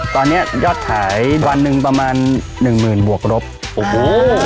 ตอนนี้ยอดขายวันหนึ่งประมาณหนึ่งหมื่นบวกรบโอ้โห